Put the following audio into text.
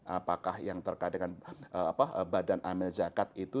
apakah yang terkait dengan badan amil zakat itu